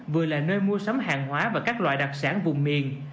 vừa là nơi mua sắm hàng hóa và các loại đặc sản vùng miền